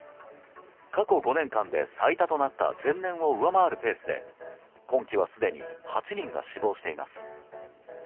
過去５年間で最多となった前年を上回るペースで今季はすでに８人が死亡しています。